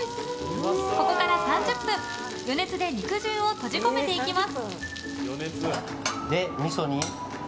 ここから３０分余熱で肉汁を閉じ込めていきます。